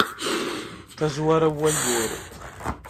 tazwara n wayyur